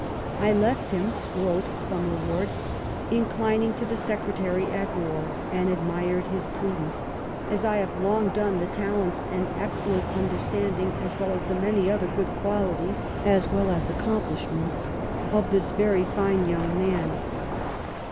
I left him," wrote Plumer Ward, *' incliniug to the Secretary at War, and admired his prudence, as I have long done the talents and excellent understanding, as well as the many other good qualities as well as accom plishments, of this very fine young man."